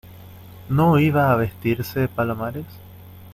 ¿ no iba a vestirse Palomares?